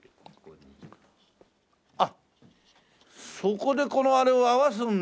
あっそこでこのあれを合わすんだ。